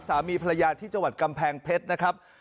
สามีภรรยาที่จังหวัดกำแพงเพชรนะครับ